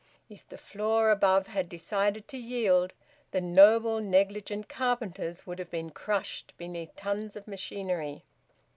If the floor above had decided to yield, the noble, negligent carpenters would have been crushed beneath tons of machinery.